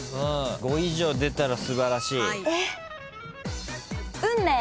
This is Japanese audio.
５以上出たら素晴らしい。